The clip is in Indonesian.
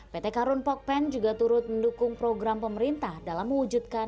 pt karun pokpen juga turut mendukung program pemerintah dalam mewujudkan